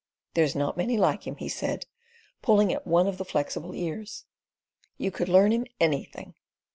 "There's not many like him," he said, pulling at one of the flexible ears. "You could learn him anything."